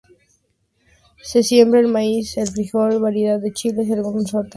Se siembra el maíz, el frijol, variedades de chiles y algunas hortalizas.